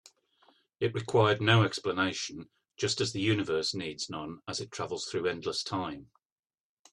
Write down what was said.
It required no explanation, just as the universe needs none as it travels through endless time.